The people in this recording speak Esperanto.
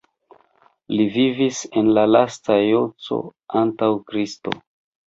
Li vivis en la lasta jc antaŭ Kristo.